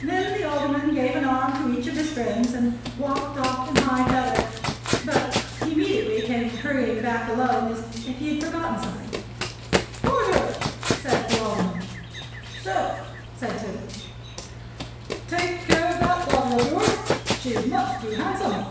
Then the Alderman gave an arm to each of his friends, and walked off in high feather; but, he immediately came hurrying back alone, as if he had forgotten something. "Porter!" said the Alderman. "Sir!" said Toby. "Take care of that daughter of yours. She's much too handsome."